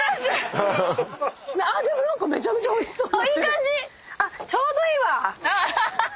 あっでも何かめちゃめちゃおいしそうになってる！